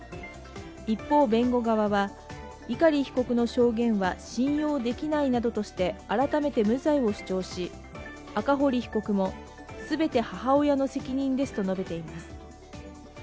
一方、弁護側は、碇被告の証言は信用できないなどして改めて無罪を主張し、赤堀被告も、全て母親の責任ですと述べています。